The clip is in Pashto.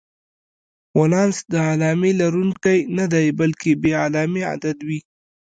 ولانس د علامې لرونکی نه دی، بلکې بې علامې عدد وي.